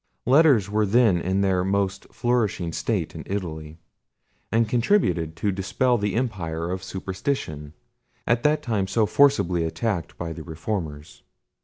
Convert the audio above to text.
Letters were then in their most flourishing state in Italy, and contributed to dispel the empire of superstition, at that time so forcibly attacked by the reformers.